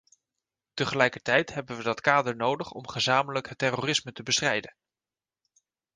Tegelijkertijd hebben we dat kader nodig om gezamenlijk het terrorisme te bestrijden.